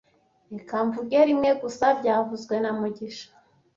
Reka mvuge rimwe gusa byavuzwe na mugisha